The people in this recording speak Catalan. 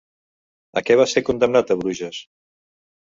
A què va ser condemnat a Bruges?